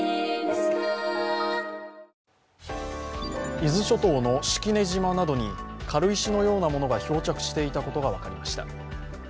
伊豆諸島の式根島などに軽石のようなものが漂着していたことが分かりました。